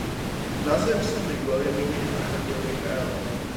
Názvem San Miguel je míněn archanděl Michael.